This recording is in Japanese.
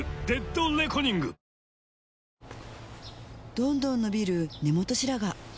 どんどん伸びる根元白髪